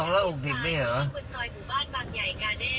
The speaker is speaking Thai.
เป็นคนซอยหมู่บ้านบางใหญ่กาเด้